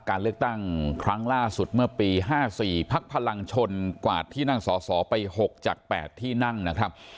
การเลือกตั้งครั้งล่าสุดเมื่อปี๕๔พักพลังชนกวาดที่นั่งสอสอไป๖จาก๘ที่นั่งนะครับ